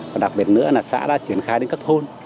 và đặc biệt nữa là xã đã triển khai đến các thôn